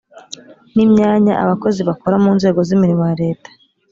ni imyanya abakozi bakora mu nzego z imirimo ya leta